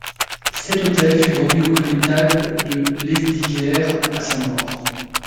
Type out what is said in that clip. Cet hôtel fut vendu au connétable de Lesdiguières à sa mort.